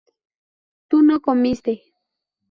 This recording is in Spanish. tú no comiste